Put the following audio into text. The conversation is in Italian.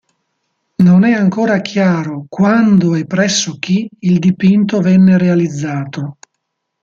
Non è ancora chiaro quando e presso chi il dipinto venne realizzato.